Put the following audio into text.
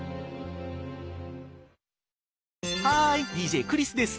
ハーイＤＪクリスです。